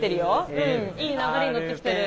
うんいい流れに乗ってきてる。